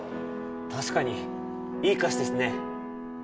確かにいい歌詞ですね。